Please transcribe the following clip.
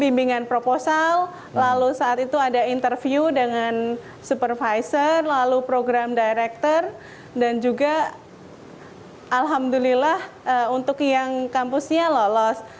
bimbingan proposal lalu saat itu ada interview dengan supervisor lalu program director dan juga alhamdulillah untuk yang kampusnya lolos